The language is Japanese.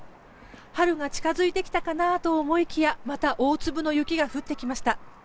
春が近づいてきたかなと思いきやまた大粒の雪が降ってきました。